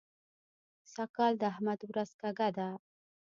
سږ کال د احمد ورځ کږه ده.